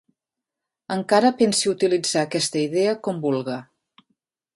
Encara pense utilitzar aquesta idea com vulga.